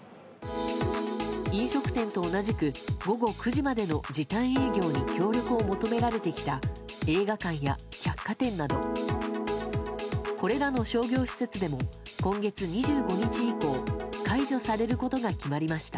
飲食店と同じく午後９時までの時短営業に協力を求められてきた映画館や百貨店などこれらの商業施設でも今月２５日以降解除されることが決まりました。